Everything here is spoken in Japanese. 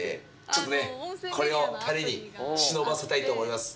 ちょっとねこれをタレに忍ばせたいと思います。